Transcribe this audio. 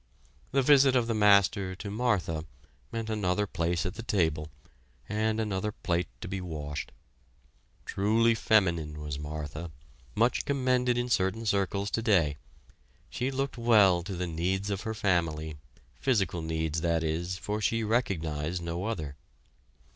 The visit of the Master to Martha meant another place at the table, and another plate to be washed. Truly feminine was Martha, much commended in certain circles today. She looked well to the needs of her family, physical needs, that is, for she recognized no other.